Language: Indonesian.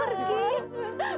mida sudah pergi